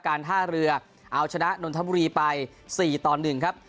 การท่าเรือเอาชนะนนทบุรีไป๔ต่อ๑ครับ